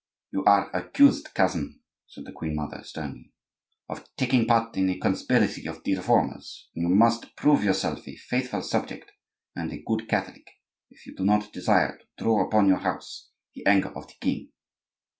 "You are accused, cousin," said the queen mother, sternly, "of taking part in the conspiracy of the Reformers; and you must prove yourself a faithful subject and a good Catholic, if you do not desire to draw down upon your house the anger of the king."